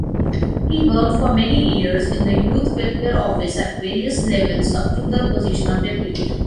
He worked for many years in the youth welfare office at various levels up to the position of deputy.